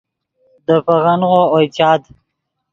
دے پیغنغو اوئے چاد